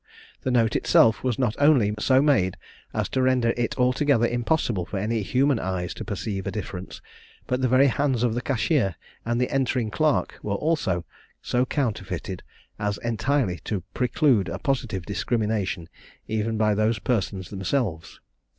The note itself was not only so made as to render it altogether impossible for any human eyes to perceive a difference; but the very hands of the cashier and the entering clerk were also so counterfeited as entirely to preclude a positive discrimination even by those persons themselves.